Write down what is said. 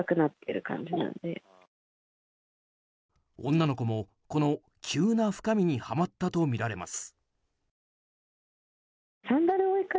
女の子も、この急な深みにはまったとみられます。